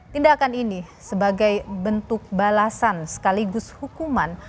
tindakan ini sebagai bentuk balasan sekaligus hukuman